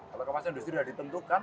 kalau kawasan industri sudah ditentukan